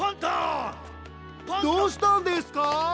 どうしたんですか？